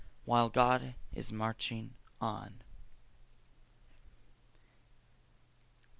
While God is marching on.